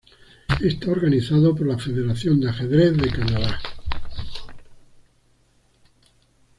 Está organizado por la Federación de Ajedrez de Canadá.